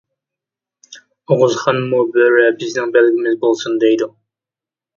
ئوغۇزخانمۇ : «بۆرە بىزنىڭ بەلگىمىز بولسۇن» دەيدۇ.